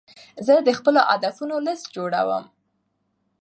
زه د خپلو هدفونو لیست جوړوم.